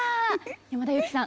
山田裕貴さん